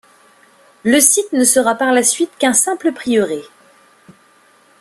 Le site ne sera par la suite qu'un simple prieuré.